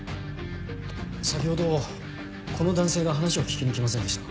先ほどこの男性が話を聞きに来ませんでしたか？